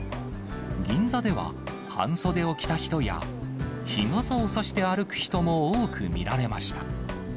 銀座では、半袖を着た人や、日傘を差して歩く人も多く見られました。